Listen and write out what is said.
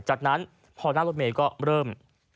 จากนั้นพอนั่งรถเมย์ก็เริ่ม